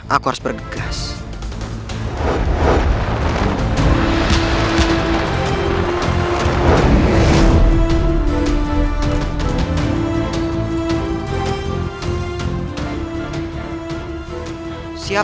aku harus melewati dia